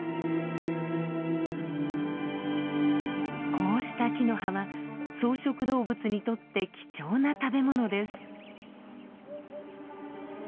こうした木の葉は草食動物にとって貴重な食べ物です。